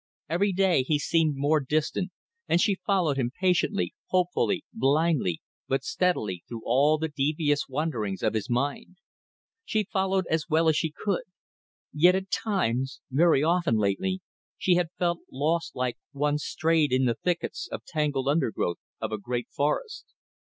Every day he seemed more distant, and she followed him patiently, hopefully, blindly, but steadily, through all the devious wanderings of his mind. She followed as well as she could. Yet at times very often lately she had felt lost like one strayed in the thickets of tangled undergrowth of a great forest.